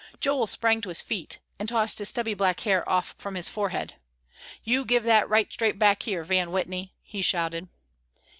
Joel sprang to his feet and tossed his stubby black hair off from his forehead, "You give that right straight back here, Van Whitney!" he shouted.